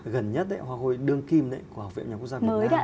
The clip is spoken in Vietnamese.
gần nhất đấy hoa khôi đương kim đấy của học viện nhà quốc gia việt nam